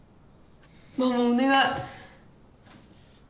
ママお願い。